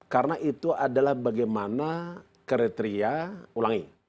karena itu adalah bagaimana kriteria ulangi